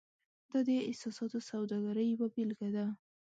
دا د احساساتو سوداګرۍ یوه بیلګه ده.